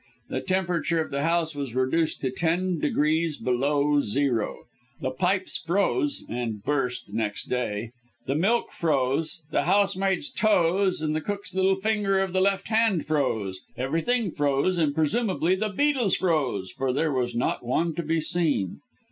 The temperature of the house was reduced to ten degrees below zero; the pipes froze (and burst next day), the milk froze, the housemaid's toes and the cook's little finger of the left hand froze, everything froze; and presumably the beetles froze, for there was not one to be seen.